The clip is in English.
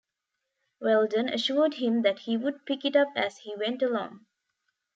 Wheldon assured him that he would "pick it up as he went along".